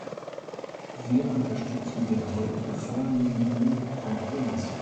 Wir unterstützen den heute vorliegenden Kompromiss.